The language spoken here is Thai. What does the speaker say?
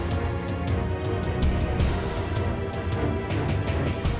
เพียสดีจ้ะ